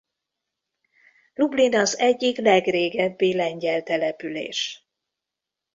Lublin az egyik legrégebbi lengyel település.